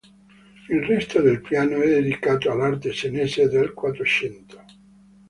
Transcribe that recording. Il resto del piano è dedicato all'arte senese del Quattrocento.